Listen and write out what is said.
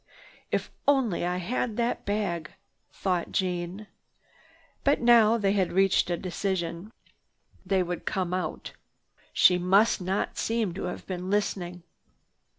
"If only I had that bag!" thought Jeanne. But now they had reached a decision. They would come out. She must not seem to have been listening.